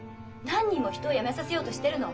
何人も人を辞めさせようとしてるの。